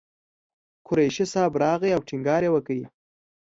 قریشي صاحب راغی او ټینګار یې وکړ.